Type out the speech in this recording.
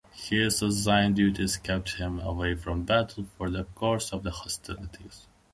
His assigned duties kept him away from battle for the course of the hostilities.